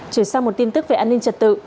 chuyển sang một tin tức về an ninh trật tự